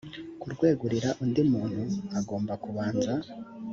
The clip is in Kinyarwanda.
kurwegurira undi muntu agomba kubanza